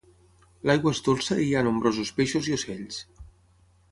L'aigua és dolça i hi ha nombrosos peixos i ocells.